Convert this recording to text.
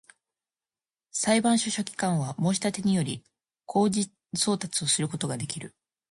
裁判所書記官は、申立てにより、公示送達をすることができる